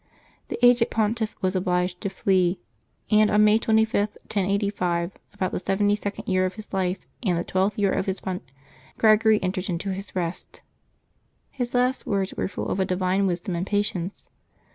The aged pontiff was obliged to flee, and on May 25, 1085, about the seventy second year of his life and the twelfth year of his pontifi cate, Gregory entered into his rest. His last words were full of a divine wisdom and patience.